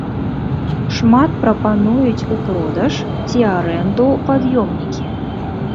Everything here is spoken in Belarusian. Шмат прапануюць у продаж ці арэнду пад'ёмнікі.